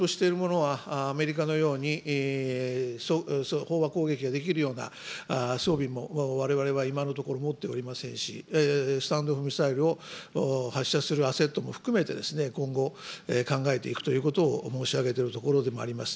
われわれが使おうとしているものは、アメリカのように飽和攻撃ができるような装備もわれわれは今のところ持っておりませんし、スタンド・オフ・ミサイルを発射するアセットも含めて今後考えていくということを申し上げているところでもあります。